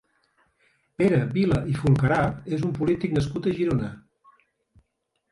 Pere Vila i Fulcarà és un polític nascut a Girona.